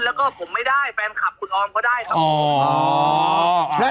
แล้วก็ผมไม่ได้แฟนคลับคุณออมก็ได้ครับ